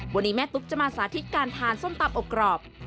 วันนี้แม่ตุ๊กจะมาสาธิตการทานส้มตำอบกรอบ